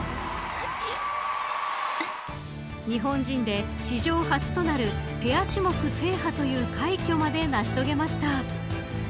日本人で史上初となるペア種目制覇という快挙まで成し遂げました。